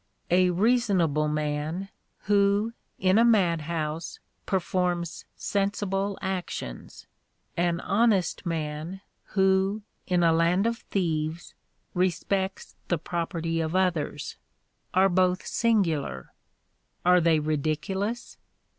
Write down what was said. A reasonable man, who, in a mad house, performs sensible actions; an honest man, who, in a land of thieves, respects the property of others, are both singular are they ridiculous?